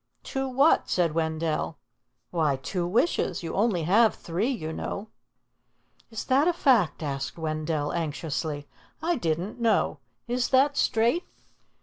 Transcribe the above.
"Two what?" said Wendell. "Why, two wishes. You only have three, you know." "Is that a fact?" asked Wendell anxiously. "I didn't know. Is that straight?"